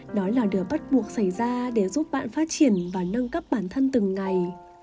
đó là điều bắt buộc xảy ra để giúp bạn phát triển và nâng cấp bản thân từng ngày